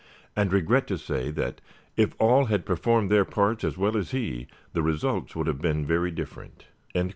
. and regret to say that, if all had performed their parts as well as he, the results would have been very different."